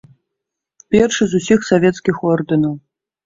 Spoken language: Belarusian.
Першы з усіх савецкіх ордэнаў.